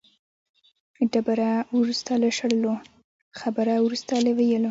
ډبره وروسته له شړلو، خبره وروسته له ویلو.